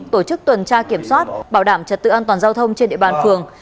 tổ chức tuần tra kiểm soát bảo đảm trật tự an toàn giao thông trên địa bàn phường